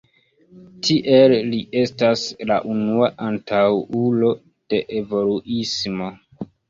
Tiel li estas la unua antaŭulo de evoluismo.